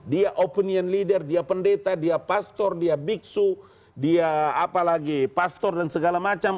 dia opinion leader dia pendeta dia pastor dia biksu dia apalagi pastor dan segala macam